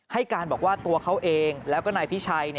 ให้การบอกว่าตัวเขาเองแล้วก็นายพิชัย